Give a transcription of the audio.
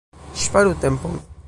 Ŝparu tempon!